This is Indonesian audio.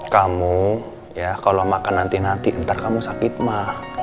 kamu ya kalau makan nanti nanti entar kamu sakit mah